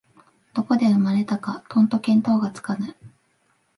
どこで生まれたかとんと見当がつかぬ